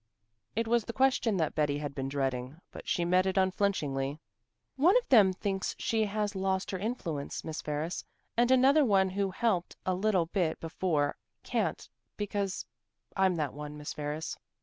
It was the question that Betty had been dreading, but she met it unflinchingly. "One of them thinks she has lost her influence, Miss Ferris, and another one who helped a little bit before, can't, because I'm that one, Miss Ferris.